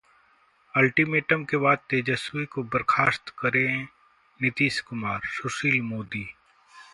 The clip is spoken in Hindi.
अल्टीमेटम के बाद तेजस्वी को बर्खास्त करें नीतीश कुमार: सुशील मोदी